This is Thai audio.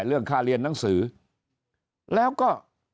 เรื่องค่าเรียนหนังสือแล้วก็